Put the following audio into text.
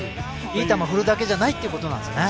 いい球、振るだけじゃないってことなんですね。